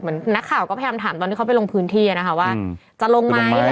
เหมือนนักข่าวก็พยายามถามตอนไปลงพื้นฐีนะครับว่าจะลงไหม